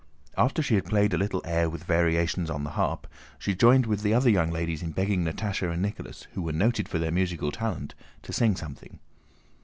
After she had played a little air with variations on the harp, she joined the other young ladies in begging Natásha and Nicholas, who were noted for their musical talent, to sing something.